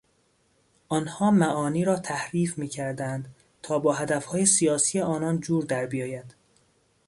آنها معانی را تحریف میکردند تا با هدفهای سیاسی آنان جور دربیاید.